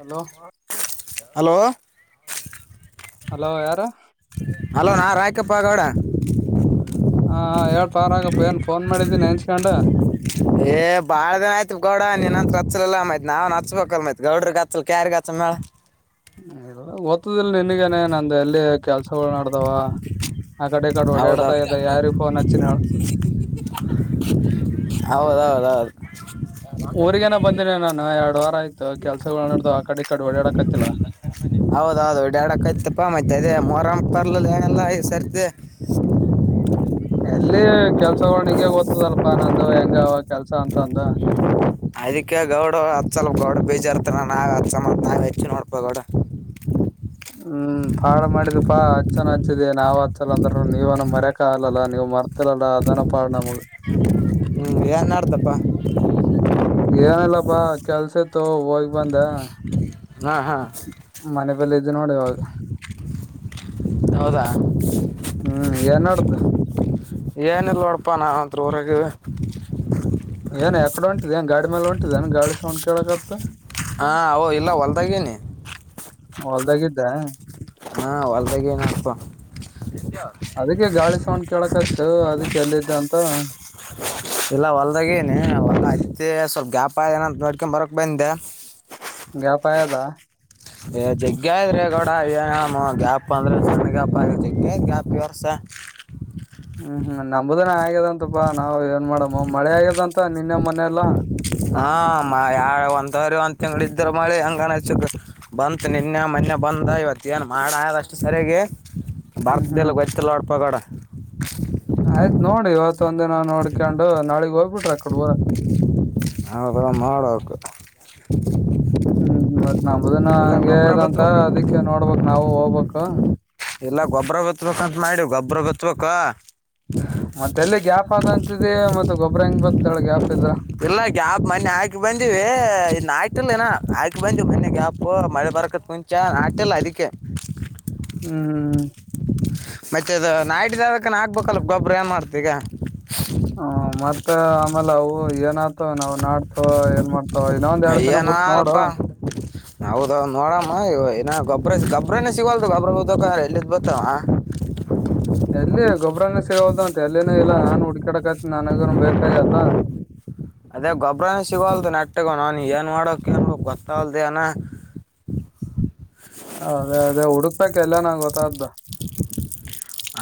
Hello hello. Hello ಯಾರು. Hello ನಾ ರಾಯಕಪ್ಪ ಗೌಡ. ಹಾ ಹಾಂ ಹೇಳ್ ಪಾರ ರಾಗಪ್ಪ ಏನ್ ಫೋನ್ ಮಾಡಿದ್ದೀ ನೆನ್ಸ್ಕೊಂಡು. ಏ ಬಾಳ ದಿನ ಆಯ್ತ್ ಗೌಡ ನೀನ್ ಅಂತ ಕತ್ಚ್ಚಲಿಲ್ಲಲ್ಲ ಮಯತ್ ನಾವ್ ನಚ್ಬೇಕಲ್ ಮೈತ್ ಗೌಡ್ರಗೆ ಹತ್ಲ್ ಕ್ಯಗತ್ತತ್ ಮೇ. ಗೊತ್ತದ ಇಲ್ಲ ನಿನಗ್ ನಂದ ಇಲ್ಲೇ. ಕೆಲ್ಸಗಳು ನಡ್ದಾವ ಆ ಕಡೆ ಈ ಕಡೆ ಹೌದಾ ಓಡಾಡೋದು ಇದೆ ಯಾರಿ ಫೋನ್ ಹಚ್ಚಿನ. ಹೌದೌದೌದ. ಊರಿಗೇನ ಬಂದಿನಿ ನಾನನ್ ಎರಡು ವಾರ ಆಯ್ತು ಕೆಲ್ಸಗಳು ನಡ್ದು ಆ ಕಡೆ ಈ ಕಡೆ ಒಡ್ಯಾಡಾಕತ್ತಿಲ್ಲ. ಹೌದ ಹೌದುಡಕ್ಯ್ತಪ್ಪತದೆ ಮೊರಂ ಬರ್ಲಿಲ್ಲ ಏನೆಲ್ಲಾ ಈ ಸರ್ತಿ. ಎಲ್ಲಿ ಕೆಲ್ಸಳ ನಿಂಗೆ ಗೊತ್ತದಲ್ಪ ನಂದು ಹೆಂಗ ಕೆಲ್ಸ ಅಂತಂದು. ಅದಿಕ್ಕೆ ಗೌಡ್ ಹತ್ಸಲ್ ಗೌಡ ಬೀಜಾರ್ತನ ನಾವ ಹತ್ಸ ನಾವ್ ಹೆಚ್ಚವ ನೋಡ್ಪ ಗೌಡ. ಹ್ಮ್ ಪಾಳ ಮಾಡಿದ ಪಾ ಹಚ್ಚನ ಹಚ್ಚಿದ್ದ ನಾವ್ ಹಚ್ಚಲ್ಲ ಅಂದರು ನೀವನ ಮರ್ಯಕ ಆಗಲ್ಲಾ ನೀವ್ ಮರ್ [unintelligible] ಅದನ ಪಾಡ ನಮಗ. ಹ್ಞ ಏನ ಮಾಡಡ್ತಪ್ಪ. ಏನಲ್ಲಪ್ಪಾ ಕೆಲ್ಸ ಇತ್ತು ಹೋಗಿ ಬಂದ. ಹಾ ಹಾ. ಮನೆ ಬಲ್ಲ ಇದ್ದ ನೋಡ ಇವಾಗ. ಹೌದಾ [inaudible] ಹ್ಮ್ ಏನ್ ನಡ್ದ ಏನಿಲ್ಲ ನೋಡಪ ನಾವು ಅಂತರ ಹೊರಗ ಇವಿ. [inaudible] ಏನ್ ಯಕಡೆ ಹೊಂಟಿದ ನ್ ಗಾಡಿ ಮೇಲೆ ಹೊಂಟಿದ ಏನ್ ಗಾಳಿ ಸೌಂಡ್ ಕೇಳಕತ್ತ. ಹಾ ಅವ ಇಲ್ಲ ಹೊಲ್ದಾಗೇನಿ. ಹೊಲ್ದಾಗಿದ್ದ. ಹಾ ಹೊಲ್ದಾಗ ಏನನಪ್ಪ. ಅದಕ್ಕೆ ಗಾಳಿ ಸೌಂಡ್ ಕೇಳಕತ್ತು ಅದಕ್ಕೆ ಎಲ್ಲಿದ್ದ ಅಂತ. ಇಲ್ಲ ಹೊಲ್ದಾಗನಿ ಒಲ್ ಐತಿ ಸ್ವಲ್ಪ ಗ್ಯಾಪ್ ಆನಂತ ನೋಡ್ಕೊಂಡ್ ಬರಕ್ ಬಂದೆ. ಗ್ಯಾಪ್ ಆಗೇದ. ಏ ಜಗ್ಗ್ರೀ ಗೌಡ ಏನ ಗ್ಯಾಪ್ ಅಂದ್ರೆ ಚಂದ ಗ್ಯಾಪ್ ಆಗ ಜಗ್ಗ ಗ್ಯಾಪ್ ವ್ಯವಸ. ಹ್ಮ್ ಹ್ಮ್ ನಮುದನ ಆಗ್ಯದಂತಪಾ ನಾವ್ ಏನ್ ಮಾಡಮ್ಮ ಮಳೆ ಆಗ್ಯದ ಅಂತ ನಿನ್ನೆ ಮೊನೆೆಲ್ಲಾ. ಹಾ ಯ ಒಂದ್ವರಿ ಒಂದ್ ತಿಂಗಳ ಇದ್ರ ಮಳೆ ಹೆಂಗಾನ ಹಚ್ಚಿದ್ದ. ಬಂತು ನಿನ್ನೆ ಮೊನ್ನೆ ಬಂದ ಇವತ್ತು ಏನ್ ಮಾಡ ಆದ ಅಷ್ಟು ಸರಿಯಾಗಿ. ಹ್ಮ್ ಬರ್ತದಿಲ್ಲ ಹ್ಮ್ ಗೊತ್ತಿಲ್ಲ ನೋಡಪಾ ಗೌಡ. ಆಯ್ತ್ ನೋಡಿ ಇವತ್ತ ಒಂದಿನ ನೋಡ್ಕೊಂಡು ನಾಳಗ್ ಹೋಗ್ಬಿಟ್ರಿ ಅಕಡ್ ಊರ ಹ ಒ [inaudible] ಮಾಡಡಕ ಹ್ಮ್ ಮತ್ ನಮದನ್ನ ಇಲ್ಲ ಹಂಗಗೆ ಗೊಬ್ಬರ ಇದಂತ ಬಿತ್ಬೇಕು ಅದಿಕ್ಕೆ ನೋಡ್ಬಕ್ ನಾವು ಹೋಗ್ಬಬೇಕಕ್ ಹ ಎಲ್ಲಾ ಗೊಬ್ಬ್ರ ಬಿತ್ಬೇಕಂತ ಮಾಡಿ ಗೊಬ್ಬ್ರ ಬಿತ್ಬೇಕ ಮತ್ತೆ ಎಲ್ಲಿ ಗ್ಯಾಪ್ ಆದಂತಿದಿ ಮತ್ತೆ ಗೊಬ್ಬ್ರ ಹೆಂಗ್ ಬತ್ತಾಳ ಗ್ಯಾಪ್ ಇದ್ರ ಇಲ್ಲ ಗ್ಯಾಪ್ ಮನೆ ಹಾಕಿ ಬಂದ್ವಿ ಇ ಆಾಯ್ಲ್ಲನಾ ಹಾಕಿ ಬಂದ್ವಿ ಮನೆಿ ಗ್ಯಾಪ್ ಮಳೆ ಬರಕತ್ ಕುಂತ ಚ ಆಗ್ತಲ್ಲ ಅದಕ್ಕೆ ಹ್ಮ್ ಮತ್ತೆ ಅದು ನಾಡಿದದಕನ ಆಗ್ಬೇಕಲ್ ಗೊಬ್್ರರು ಏನ್ ಮಾಡ್ತತಿ ಈಗ ಹ್ಮ ಮತ್ತ ಆಮೇಲೆ ಅವು ಏನ ಆತವ ನಾವು ನಾಡ್ತವ ಏನ್ ಮಾಡ್ತ ಇನ್ನೊಂದ್ ಎರಡು ದಿನ ಬಿಟ್ಟ ನೋಡು ನೌದ ನೋಡಮ್ಮ ಇ ಏನ ಗೊಬ್ರ ಗೊಬನೇ ಸಿಗಲ್ದು ಗೊಬ್ರ ಬದಕ ಎಲ್ಲಿಿದ್ ಬತ್ತಾವ [inaudible] ಎಲ್ಲಿ ಗೊಬರನ ಸಿಗೋದ ಅಂತೆಂತ ಎಲ್ಲೇನ ಇಲ್ಲ ನಾನನ್ ಹುಡ್ಕಾಡಕ್ತ್ತ ನನಗ ಬೇಕಾಯದ ಅದೇ ಗೊಬ್ಬ್ರನ ಸಿಗೋಲ್ದು ನಟ್ಟೆಗ ನಾನನ್ ಏನ್ ಮಾಡಕ್ ಏನ್ಕ್ ಗೊತ್ತಲ್ದೇ ಅನ ಅದೇ ಅದೇ ಹುಡುಕ್ಬೇಕಕ್ ಎಲ್ಲಾ ನಂ್ ಗೊತ್ತಾದ್ದು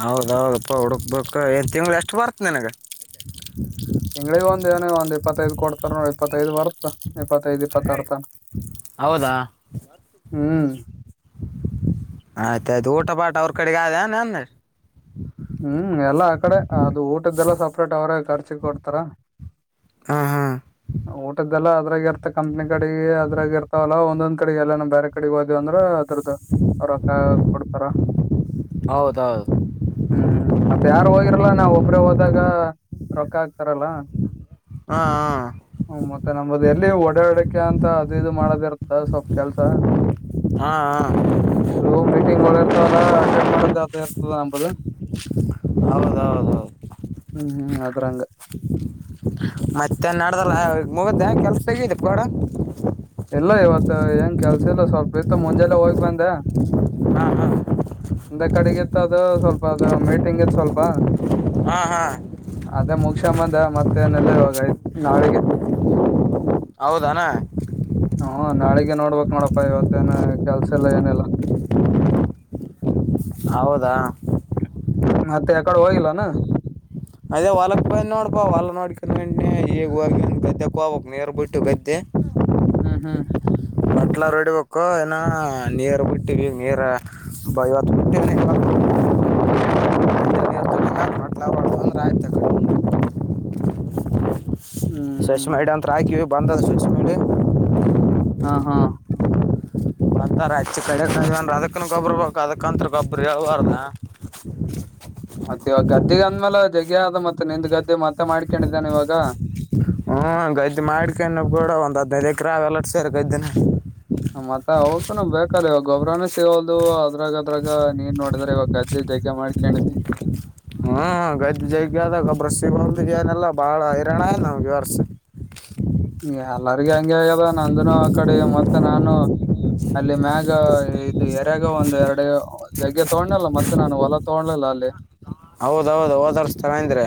ಹೌದೌದುಪ್ಪ ಹುಡುಕ್ಬೇಕು ಏ್ ತಿಂಗ್ಗಳು ಎಷ್ಟು ಬರ್ತ ನನಗೆ ಹೆಂಗ್ಗ್ ಒಂದ ಏನ ಒಂದ ಇತ್ತೈದ ಕೊಡ್ತಾರ ನೋಡ ಇಪ್ಪತ್ತೈದು ಬರುತ್ತ ಇಪ್ಪತ್ತೈದು್ ಇಪ್ಪತ್ತರ್ತ ಹೌದಾ ಹ್ಮ್ ಆಯ್ತಾಯಯ್ತು ಊಟ ಪಾಟ ಅವ್ರ ಕಡೆಗೆ ಆದನ್ ಅನ್ನ ಹ್ಮ್ ಎಲ್ಲಾ ಆಕಡೆ ಅದು ಊಟದೆಲ್ಲ ಸಪ್ರೇಟ್ ಅವ್ರ ಖರ್ಚಿ ಕೊಡ್ತಾರ ಹ್ಮ್ ಹ್ಮ್ ಊಟದ್ದೆಲ್ಲ ಅದ್ರಾಗ ಇರ್ತ ಕಂಪ್ನಿ ಕಡೆಗೆ ಅದ್ರಾಗ ಇರ್ತಾವಲ್ಲ ಒಂದೊಂದ್ ಕಡೆಗೆಲ್ಲ ನಾ್ ಬೇರೆ ಕಡೆಗೆ ಹೋದೇವಂದ್ರ ದ್ದ ರೊಕ್ಕ ಕೊಡ್ತಾರ ಹೌದೌದು ಹ್ಮ್ ಮತ್ತ ಯಾರು ಹೋಗಿರಲ್ಲ ನಾವ್ ಒಬ್ರೇ ಹೋದಾಗ ರೊಕ್ಕ ಆಕ್ತಾರಲ್ಲ ಹಾ ಹ ಹ್ಮ ಮತ್ತೆ ನಮದು ಎಲ್ಲಿ ಒಡಾಡಿಕೆ ಅಂತ ಅದು ಇದು ಮಾಡದಿ ಇರ್ತ್ತ ಸ್ವಲ್ಪ್ ಕೆಲ್ಸ ಹಾ ಹ ವು ಮೀಟಿಂಗ್ಗಳಳ ಇರ್ತಾವವಲ್ಲ ಅಟೆಂಡ್ ಮಾಡೋದ ಇರ್ತದ ನಂಬದು ಹೌದೌದ ಹೌದು ಹ್ಮ್ ಹ್ಮ್ ಅದ್ರಂಗ ಮತ್ತೆ ನಡ್ದಲ್ಲ ಮುಗ್ದೆ ಕೆಲ್ಸ ಬಗಪ್ ಕಡ ಇಲ್ಲ ಇವತ್ತು ಏನ್ ಕೆಲ್ಸ ಎಲ್ಲ ಸ್ವಲ್ಪ ಇತ್ತು ಮುಂಜೆಲ್ಲೆ ಹೋಗಿ ಬಂದೆ ಹಾ ಹಾ ಒಂದ ಕಡೆಗಿತ್ತು ಅದು ಸ್ವಲ್ಪ ಅದು ಮೀಟಿಂಗ್ ಇತ್ತು ಸ್ವಲ್ಪ ಹಾ ಹಾ ಅದೇ ಮುಗಸಬಂದ ಮತ್ತೇನೆಲ್ಲ ಇವಾಗತ ನಾಳಿಗೆ ಹೌದನಾ ಹ್ಮ ನಾಳಿಗೆ ನೋಡ್ಬೇಕಕ್ ನೋಡಪ್ಪಾ ಇವತ್ತೇಏನ ಕೆಲ್ಸ ಎಲ್ಲಾ ಏನೆಲ್ಲಾ ಹೌದಾ ಮತ್ತೆ ಯಕಡೆ ಹೋಗಿಲ್ಲಾನ ಅದೇ ಹೊಲಕ್ ಬ್ ನೋಬ ಹೊಲ ನೋಡ್ಕ ನಟಿ ಈಗ ಹ ಗದ್ದೆ ಕ ಹಕ್ ನೀರ್ ಬಿಟ್ಟು ಗದ್ದೆ ಹ್ಮ್ ಹ್ಮ್ ಅಟ್ಲ ರೆಡಿಬೇಕು ಏನ ನೀರ್ ಬಿಟ್ಟಿವ ನೀರ್ ಇವತ್ತು ಬಿಟ್ಟ ರಾತ್ ತಕ ಹ್ಮ್ ಸು ಅಡಾನ ತತ್ರಾಿಿವ ಬಂದ ಸ ಮಿಳಿ ಹ ಹಾ ರ ಹೆಚ್ಚ ಕಡೆನ್ ಅದಕ್ಕನ ಗೊಬ್ಬರ ಬ ಅದಕ್ಕ ಅಂತತ್ರ ಗೊಬ್ಬ್ರ ಹೇಳಳ್ಬಾರ್ದ ಮತ್ತೆ ಇವಾಗ ಗದ್ದೆಗೆ ಅಂದ್ಮ್ಯಾಲ ಜಗಿ ಅದ ಮತ್ತೆ ನಿಂದ ಗದ್ದೆ ಮತ್ತ ಮಾಡ್ಕೊಂಡಿದ್ದಾನ ಇವಾಗ ಹ್ಮ್ ಗದ್ದು ಮಾಡಕನ್ನ ಕೂಡ ಒಂದ್ದಿನೈದು ಎಕ್ರ ಅವೆಲ್ಲ ಸೇರಿ ಗದ್ದೆನ ಮತ್ತೆ ಅವೋಗ್ತು ನ್ ಬೇಕಲ್ಲ ಇವಾಗ ಗೊಬರನೇ ಸಿಗೋಲ್ದು ಅದ್ರಾಗ ಅದ್ರಾಗ ನೀರ್ ನೋಡಿದ್ರೆ ಇವಾಗ ಜಗ್ ಮಾಡ್ಕೊಂಡಿ ಹಾ ಗದ ಜಗ ಆದ ಗಬ್ಬ್ರಸಿ ಬ ಏನೆಲ್ಲ ಬಾಳ ಹೈರಾಣ ಆಯ ನಾವ್ಗೆವರ್ಸ ಎಲ್ಲರಿಗ ಹಂಗಗೆಗದ ನಂದನು ಆ ಕಡೆ ಮತ್ತೆ ನಾನು ಅಲ್ಲಿ ಮ್ಯಾಗ ಇದು ಎರಾಗ ಒಂದು ಎರಡು ಜಗ್ಗೆ ತಗೊಂಡನಲ್ಲ ಮತ್ತೆ ನಾನು ಹೊಲ ತಗಲಲ್ಲ ಅಲ್ಲಿ ಹೌದೌದು ಓದಾರಸ್ ತರ ಅಂದ್ರೆ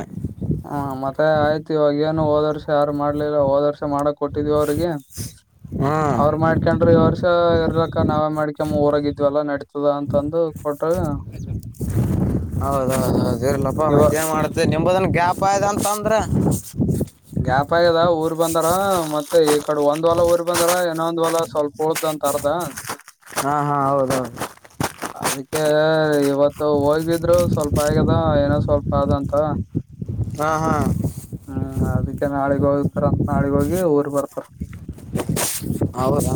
ಹ ಮತ್ತೆ ಆಯ್ತು ಇವಾಗ ಏನು ಓದರ್ಸ ಯಾರು ಮಾಡ್ಲಿಲ್ಲ ಓದರ್ಸ ಮಾಡ ಕೊಟ್ಟಿದ್ವಿ ಅವ್ರಿಗೆ ಹ್ಮ್ ಅವರು ಮಾಡ್ಕೊಂಡ್ರಿ ಅವ್ರ ಎರ್ಲಕ್ಕ ನಾವ ಮಾಡ್ಕಮ್ಮ ಊರಾಗಿದ್ವಲ್ಲಾ ನಡತದ ಅಂತ ಅಂದು ಕೊಟ್ರ ಹೌದೌದ ಹೌದು ಇರಲಪ್ಪಾ ಇವಾಗ ಮತ್ತ ಏನ್ ಮಾಡುತ್ತೆ ನಿಂಬದನ್ ಗ್ಯಾಪ್ ಆಯದ ಅಂತ ಅಂದ್ರ ಗ್ಯಾಪ್ ಆಗ್ಯದ ಊರ್ ಬಂದಾರ ಮತ್ತೆ ಈ ಕಡೆ ಒಂದ್ ವಲ ಊರ್ ಬಂದಾರ ಇನ್ನೊಂದ್ ವಲ ಸ್ವಲ್ಪ ಹಳ್ ಅಂತ ಅರ್ದಾ ಹಾ ಹಾ ಹೌದೌದು ಹ ಅದಕ್ಕೆ ಇವತ್ತು ಹೋಗ್ಬಿದ್ರು ಸ್ವಲ್ಪ ಆಗದ ಏನೋ ಸ್ವಲ್ಪ ಅಂತ ಹಾ ಹಾ ಹ್ಮ್ ಅದಕ್ಕೆ ನಾಳಗ್ ಹೋಗ್ತಾರ ನಾಳಗ ಹೋಗಿ ಊರ್ ಬರ್ತಾರ ಹೌದಾ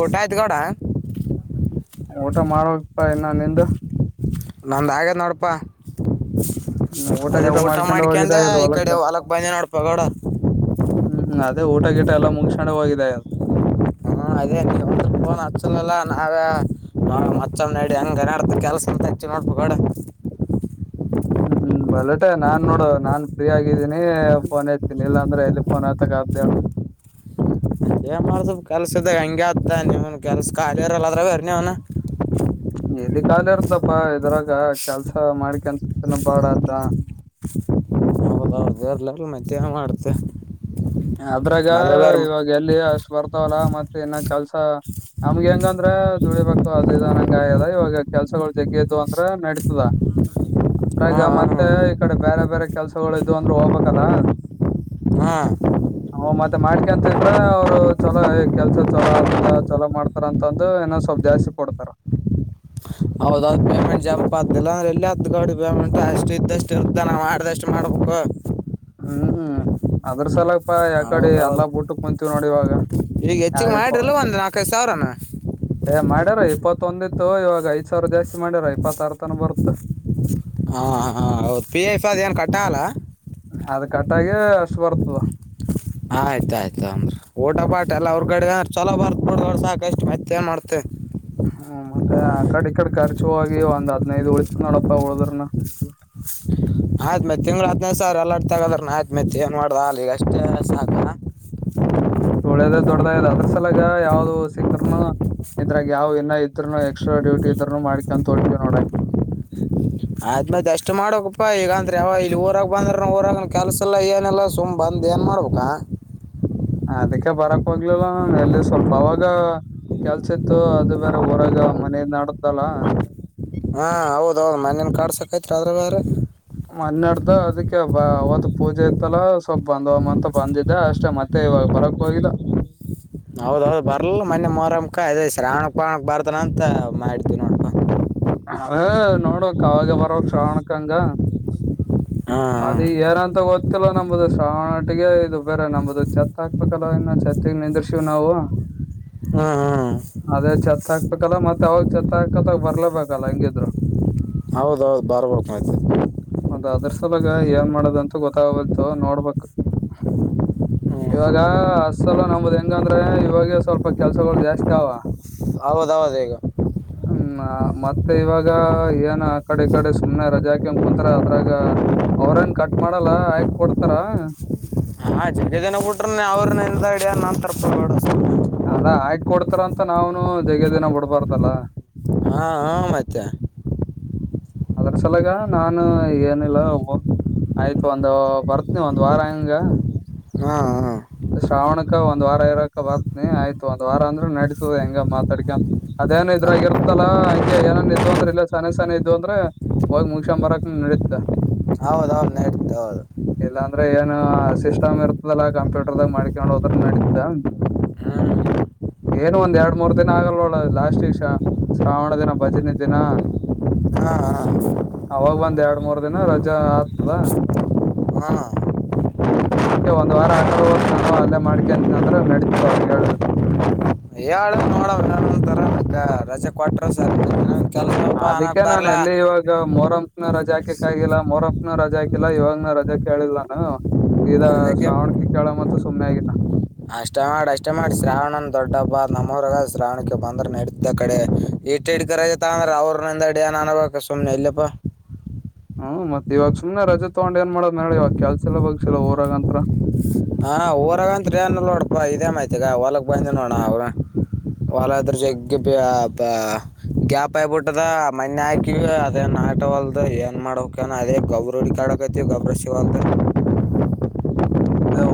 ಊಟ ಆಯ್ತು ಗೌಡ ಊಟ ಮಾಡೋಪ್ಪಾ ಇನ್ನ ನಿಂದ ನಂದಾಗೆ ನೋಡಪಾ ಇನ್ನು ಅದೇ ಗೀಟ ಊಟ ಮಾಡ್ಕೊಂಡೆ ಮಾಡ್ಕ ಹೋಗಿದ್ದ ಅಂದೆ ಅದು ಈ ಹೊಲಕ್ಕ ಕಡೆ ಹೊಲಕ್ ಬಂದಿ ನೋಡ್ಪಗೋಡ ಹ್ಮ್ ಹ್ಮ್ ಅದೇ ಊಟ ಗಿಟ ಎಲ್ಲ ಮುಗ್ಣೆ ಹೋಗಿದೆದು ಹ ಅದೇಂದ ಫೋನ್ ಹಚ್ಚಲಲ್ಲ ನಾವೇ ಮಚ್ಚಮ್ಮ ನಡಿ ಹಂಗ ಗನಾಡ್ತ ಕೆಲ್ಸಂತೆ ಚನ್ನಡ್ ಬಗಡ ಹ್ಮ್ ಹ್ಮ್ ಬಲ್ಲಟೆ ನಾನ್ ನೋಡ ನಾನ್ ಫ್ರೀ ಆಗಿದ್ದೀನಿ ಫೋನ್ ಇರ್ತೀನಿ ಇಲ್ಲಾಂದ್ರೆ ಎಲ್ಲಿ ಫೋನ್ ಆತಕ್ ಆ್ದೇ ಅೇ ಮಾಡಸ ಕೆಲ್ಸದ ಹಂಗೆ ಆತ್ತ ನಿವನ್ ಕೆಲ್ಸ ಖಾಲಿ ಇರಲ್ಲ ಅ್ರ ಬೇರಿ ನೀವ್ನ ಎಲ್ಲಿ ಕಾಲಿ ಇರದಪ್ಪಾ ಇದ್ರಾಗ ಕೆಲ್ಸ ಮಾಡ್ಕಂತ ಬಾಡ ಅ್ದ ಹದರ್ಲಲ್ಲ ಮತ್ತೆ ಮಾಡ್ತ ಅದ್ರಾಗ ಇವಾಗ ಎಲ್ಲಿ ಅಷ್ಟು ಬರ್ತಾವಲ್ಲ ಮತ್ತೆ ಇನ್ನ ಕೆಲ್ಸ ನಮ್ಗೆ ಹೆಂಗಂದ್ರ ದುಡಿ ಬಕ್ತ ಅ ದಂಗ ಆದ ಇವಾಗ ಕೆಲ್ಸಗಳು ಜಗ್ಗ್ದು ಅಂದ್ರ ನಡೀತದ ಹಾ ಅದ್ರಾಗ ಮತ್ತೆ ಹಾ ಈ ಕಡೆ ಬೇರೆ ಬೇರೆ ಕೆಲ್ಸಗಳು ಇದವು ಅಂದ್ರರು ಹೋಗ್ಬೇಕಲ್ಲ ಹಾ ಹ ಮತ್ತೆ ಮಾಡ್ಕ ಅಂತಿದ್ರ ಅವ್ರು ಚಲೋ ಕೆಲ್ಸ ಚಲೋ ಆಗ್ತದ ಚಲೋ ಮಾಡತ ಅಂತಂದಂದು ಇಏನೊ್ ಸ್ವಲ್ಪ್ ಜಾಸ್ತಿ ಕೊಡ್ತಾರ ಹೌದೌ್ ಪೇಮೆಂಟ್ ಜಪ ಅಿಲ್ಲ ಅಂದ್ರೆ ಎಲ್ಲಿ ಹದ್ ಗೌಡಿ ಪೇಮೆಂಟ್ ಅಷ್ಟ ಇದ್ದಷ್ಟು ಇರ್ತ ನಾ ಮಾಡ್ದಷ್ಟು ಮಾಡ್ಬೇಕು ಹ್ಮ್ ಹ್ಮ್ ಅದ್ರ ಸಲಪಾ ಯಾಕಡೆ ಎಲ್ಲಾ ಬಊಟಕ್ ಕುಂತೀವ್ ನೋಡಿ ಇವಾಗ ಈಗ್ ಹೆಚ್ಚಿಗೆಗ್ ಯಾರಿಪ ಮಾಡಿ್ರಲ್ಲ ಒಂದ ನಾಲ್ಕೈದು ಸಾವಿರನ ಏ ಮಾಡ್ಯಾರ ಇಪ್ಪತ್ತೊಂದಿತ್ತು ಇವಾಗ ಐ್ ಸಾವಿರ ಜಾಸ್ತಿ ಮಾಡ್ಯಾರ ಇಪ್ಪತ್ತ ಆಾರ ತನ ಬರುತ್ತ ಹಾ ಹಾ ಹೌದ್ ಪಿ ಎಫ್ ಅದ್ ಏನ್ ಕಟ್ಟಲ್ಲ ಅದ ಕಟ್ಟಾಗೆ ಅಷ್ಟು ಬರ್ತದ ಆಯ್ತಾಯಯ್ತ ಅಂದ್ರರಿ ಊಟಾ ಎಲ್ಲ ಅವ್ರಗಡೆ ಅಂದ್ರ ಚಲೋ ಬರ್ದ ಬಿಡ ಅವರು ಸಾಕ ಕಷ್ಟು ಮತ್ತ ಮಾಡ್ತೆ ಹ್ಮ ಮತ್ತೆ ಆ ಕಡೆ ಈ ಕಡೆ ಖರ್ಚು ಹೋಗ ಒಂದ ಹದ್ನೈದು್ ಉಳಿತು ನೋಡಪ್ಪಾ ಉಳಿದ್ರನ ಆಯ್ತ್ ಮತ್ ತಿಂಗ್ಳ ಹ್ನೈ್ ಸಾವಿ ಎಲ್ಲರ ತಗದ್ರ ನ ಆಯ್ತ್ ಮತ್ ಏನ್ ಮಾಡ್ ಅ ಈಗ ಅಷ್ಟೇ ಸಾಕ ಒಳ್ಳೇದ ದೊಡ್ಡದದ ಅದ್ರ ಸಲಾಗ ಯಾವ್ದು ಸಿಕ್ಕರ್ನು ಇದ್ರಾಗ ಯಾವ ಏನ ಇದರುನು ಎಕ್ಸ್ಟ್ರ ಡ್ಯೂಟಿ ಇದ್ರರುನು ಮಾಡ್ಕೊಂತೋಡ್ತೀವಿ ನೋಡ ಅ್್ಮತ್ ಎಷ್ಟ್ ಮಾಡಕಪ್ಪಾ ಈಗಂದ್ರ ಯಾವ ಇಲ್ಲಿ ಊರಾಗ ಬಂದ್ರ ಊರಾಗ ಕೆಲ್ಸಲ್ಲಾ ಏನಲ್ಲಾ ಸುಮ್ನೆ. ಬಂದ ಏನ್ ಮಾಡ್ಬೇಕಾ. ಅದಕ್ಕೆ ಬರಕ್ ಹೋಗ್ಲಿಲ್ಲ ನ ಎಲ್ಲಿ ಸ್ವಲ್ಪ ಅವಾಗ ಕೆಲಸ ಇತ್ತು ಅದು ಬೇರೆ ಊರಾಗ ಮನೆ ನೆಡ್ದಲ್ಲ ಹಾ ಹೌದೌದು್ ಮನೇನ್ ಕಾಸಕತ್ರಿ ಆದ್ರ ಬೇ್ರ. ಮನ್ನೆಡ್ದ ಅದಕ್ಕೆ ಬ ಅವತ್ತು ಪೂಜೆ ಇತ್ತಲ್ಲ ಸ್ವಲ್ಪ ಬಂದ್ ಒಮ್ಮ ಅಂತಾ ಬಂದಿದೆ ಅಷ್ಟೇ ಮತ್ತೆ. ಮತ್ತೆ ಇವಾಗ ಬರಕ್ಕೆ ಹೋಗಿಲ್ಲ. ಹೌದೌದು್ ಬರ್ಲ್ಲ ಮೊೆ ಮೊರಮಕ ಅದೇ ಶ್ರಾವಣಕ್ ಪಾವಕ್ ಬರ್ತನ್ ಅಂತಾ ಮಾಡತಿೀವಿ ನೋಡಪ. ಹ ನೋಡಕ್ ಅವಾಗ ಬರ ಶ್ರಾವಣಕಂಗ್ ಹ್ಮ್ ಅದ ಹ್ಮ್ ಏಾರ ಅಂತಾ ಗೊತ್ತಿಲ್ಲ ನಂಬದು ಸಾವಟ್ಿಗೆ ಇದು ಬೇರೆ ನಂಬದು ಚತ್ ಹಾಕ್ಬೇಕಲ್ಲ ಇನ್ನು. ಹ್ಮ್ ಹ್ಮ್ [unintelligible] ಕತ್ತಗ್ ಬರ್ಲೇಬೇಕಲ್ಲ ಹೆಂಗಿದ್ರು ಹೌದೌದು ಬರ್ಬಯ್ತ ಹೌದ ಅದ್ರ ಸಲಾಗ ಏನ್ ಮಾಡದಂತೂ ಗೊತ್ತಾಗಬೇಕು ನೋಡ್ಬು ಹ್ಮ್ ಇವಾಗ ಅಸಲ ನಮ್ದ್ ಹೆಂಗಂದ್ರೆ ಇವಾಗ ಸ್ವಲ್ಪ ಕೆಲ್ಸಗಳು ಜಾಸ್ತಿ ಅವ ಹೌದೌದು ಈಗ ಹ್ಮ ಹ್ಮ್ ಮತ್ತೆ ಇವಾಗ ಏನ ಕಡೆ ಈ ಕಡೆ ಸುಮ್ನೆ ರಜೆಾಕಿ ಕುತ್ರ ಅದ್ರಾಗ ಅವ್ರೇನ್ ಕಟ್ ಮಾಡಲ್ಲ ಆಯಕ್ ಕೊಡ್ತಾರ ಹಾ ಜರಿದನ ಬಿಟ್ರನೆ ಅವ್ರ ನೆದಡಿ ಅ ನ ತರ್ಪ ಮಾಡ ಅಲ್ಲಾ ಆಾಕ ಕೊಡ್ತಾರ ಅಂತ ನಾವ್ನು ಜೆಗೆ ದಿನ ಬಿಡ್ಬಾರ್ದಲ್ಲ ಹಾ ಹಾ ಮತ್ತ್ ಅದ್ರ ಸಲಗ ನಾನು ಏನಿಲ್ಲ. ಆಯ್ತು ಒಂದ್ ಬರ್ತ್ ನೀ ಒಂದ್ ವಾರ ಹಂಗ್ ಹಾ ಹಾ ಶ್ರಾವಣಕ್ಕ್ ಒಂದ್ ವಾರ ಇರಕ ಬತ್ನಿ ಆಯ್ತ ಒಂದ್ ವಾರ ಅಂದ್ರೆ ನಡ್ಸುದ ಹೆಂಗ ಮಾತಾಡ್ಕ. ಅದೇನ ಹಾ ಇದ್ರಾಗಿರ್ತಲ್ಲಾ ಹಂಗೆ ಏನೇನ್ ಇದ್ ಅಂದ್ರೆ ಇಲ್ಲ ಸನನೆ ಸನ ಇದ್ ಅಂದ್ರೆ. ಹೋಗಿ ಮುಗಕ್ಷ ಬರಕ್ ನಡೀತಾ ಹೌದೌದು ನೋಡ್ತಾ ಹೌದು ಇಲ್ಲಾಂದ್ರೆ ಏನ ಸಿಸ್ಟಮ್ ಇರ್ತದಲ್ಲಾ ಕಂಪ್ಯೂಟರ್ದಾಗ ಮಾಡ್ಕೊಂಡ್ ಹೋದ್ರ ನಡೀತಾ. ಏನು ಒಂದ ಎರಡ್ ಮೂರ್ ದಿನ ಆಗಲ್ ಒೋಳದು ಲಾಸ್ಟ್ ವಿಷಯ. ಶ್ರಾವಣ ದಿನ ಭಜನೆ ದಿನಾ. ಹಾ ಹಾ ಅವಾಗ ಬಂದ್ ಎರಡ್ ಮೂರ್ ದಿನ ರಜಾ ಆಗ್ತಿದ್. ಹಾ ಹ್ಮ್ ಅದಕ್ಕೆ ಒಂದ್ ವಾರ ಆ ಕಡೆ ಓದ್ ನಾನು ಅಲ್ಲೇ ಮಾಡ್ಕ ಅಂತ ಅಂದ್ರೆ ನಡೀತದ್ ಅವ್ರಿಗೆ ಹೇಳಿದ್ರರು ಹೇಳ ನೋಡವಂತರ ರಜೆ ಕೊಟ್ರ ಸ ಅದಕ್ಕೆ ನಾನ್ ಎಲ್ಲಿ ಇವಾಗ ಮೊರಂ ನ ರಜ ಹಾಕಕ್ ಆಗಿಲ್ಲ ಮೋರಪ್ನ ರಜಾ ಹಾಕಿಲ್ಲ ಇವಾಗನೂ ರಜಾಕ ಹೇಳಿಲ್ಲಾನು ಈ ಅದಕ್ಕೆ ಶ್ರಾವಣಕಿ ಕೇಳ ಮಂತ ಸುಮ್ಮ್ನೆ ಆಗಿಲ್ಲ ಅಷ್ಟೇ ಮಾಡಿ ಅಷ್ಟೇ ಮಾಡಿ ಶ್ರಾವಣನ ದೊಡ್ಡ ಹಬ್ಬ ನಮ್ಮರಗ ಶ್ರಾವಣಕ್ಕೆ ಬಂದ್ರ ನಡಿದ ಕಡೆ ಡ್ ಕರ ಅಂದ್ರೆ ಅವ್ರಿಂದ ಅಡಿಯನ್ ಅನಬೇಕ ಸುಮನೆ ಇಲ್ಲಪ್ಪಾ ಹ್ಮ್ ಮತ್ತತ್ ಇವಾಗ ಸುನೆ ರಜೆ ತಗೊಂಡ ಏನ್ ಮಾಡೋ್ಳ ಇವಾಗ ಕೆಲ್ಸ ಎಲ್ಲ ಬಗ್ಸಿಲ್ಲ ಊರಾಗಂತತ್ರ ಹಾ ಊರಾಗ ಅತ್ ಏನ್ ನೋಡಪ ಇದೇ ಮಾಹ್ತಿಗ ಹೊಲಕ್ ಬಂದ ನೋಡಣ ಅವ್ರರು ಒಳತ್ರ್ರ ಜಗ್ಗ ಗ್ಯಾಪ್ ಆಯಬಿಟ್ಟದ ಮನೆ ಹಾಕಿವ ಅದೇನ್ ಆಟವಲ್ದ ಏನ್ ಮಾಡಕನ ಅದೇ ಗಬ್ಬ ರೋಡಿ ಕಡಾಗತ ಗಬ್ರ ಸಿವಲ್ತ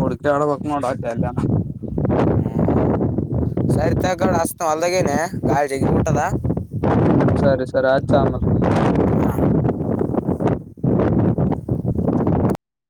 ಉಡುಕಾ ಆಡೆ ಪೊಕ್ಕ ಮಾಡೋಡ ಅಲ್ಲ ಸರಿ ತಡ ಅಸ್ತ್ ಅಲ್ದಾಗೇನೆ ಗಾಳಜಗ ಉಟ್ಟದ ಹ್ಮ್ ಸರಿ ಸರಿ ಆಯ್ತ್ ಸಾಮಾ